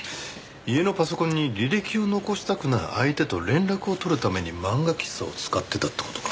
家のパソコンに履歴を残したくない相手と連絡を取るために漫画喫茶を使ってたって事か。